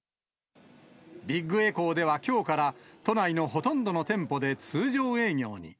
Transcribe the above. ビッグエコーでは、きょうから都内のほとんどの店舗で通常営業に。